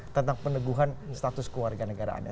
tentang peneguhan status keluarga negara anda